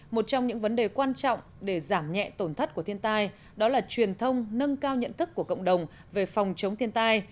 một trong những vấn đề quan trọng để giảm nhẹ tổn thất của thiên tai đó là truyền thông nâng cao nhận thức của cộng đồng về phòng chống thiên tai